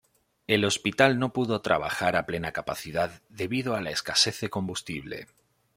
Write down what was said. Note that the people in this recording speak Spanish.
El hospital no pudo trabajar a plena capacidad debido a la escasez de combustible.